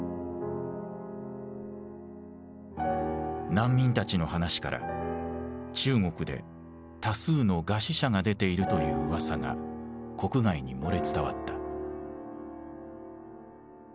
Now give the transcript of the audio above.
難民たちの話から中国で多数の餓死者が出ているという噂が国外に漏れ伝わった。